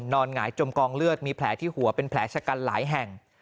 หงายจมกองเลือดมีแผลที่หัวเป็นแผลชะกันหลายแห่ง